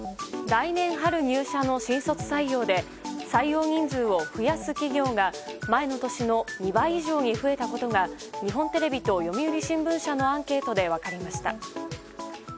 来年春入社の新卒採用で採用人数を増やす企業が前の年の２倍以上に増えたことが日本テレビと読売新聞社のアンケートで分かりました。